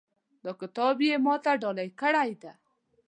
دا کتاب یې ما ته ډالۍ کړی ده